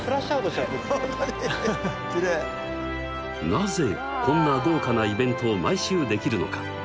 なぜこんな豪華なイベントを毎週できるのか？